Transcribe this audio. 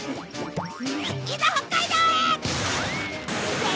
いざ北海道へ！